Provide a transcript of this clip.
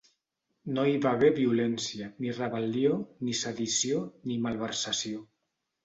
No hi va haver violència, ni rebel·lió, ni sedició, ni malversació.